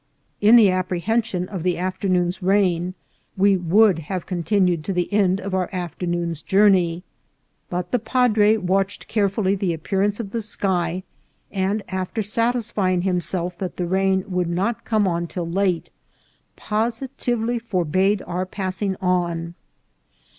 In the apprehension of the afternoon's rain, we would have continued to the end of our afternoon's journey ; but the padre watched carefully the appear ance of the sky, and, after satisfying himself that the rain would not come on till late, positively forbade our passing on.